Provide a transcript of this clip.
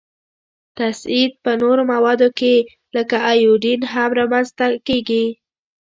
تصعید په نورو موادو کې لکه ایودین هم را منځ ته کیږي.